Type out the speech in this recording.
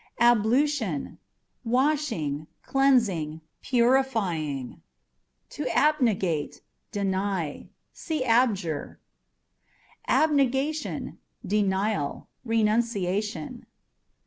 Ablution â€" washing, cleansing, purifying. To Abnegateâ€" deny. See Abjure. Abnegationâ€" denial, renunciation.